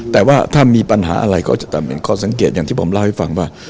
แต่ว่าถ้ามีปัญหาอะไรคอเนี่ยจะสั่งเกตอย่างที่ผมเล่าให้ฟังว่า